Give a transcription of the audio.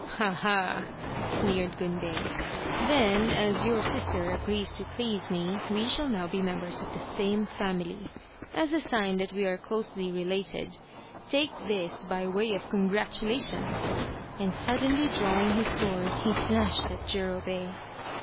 " Ha, ha !" sneered Gunbei, " then as your sister agrees to please me we shall now be members of the same family. As a sign that we are closely related, take this by way of congratulation," and suddenly drawing his sword, he slashed at Jurobei.